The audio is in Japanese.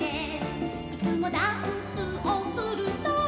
「いつもダンスをするのは」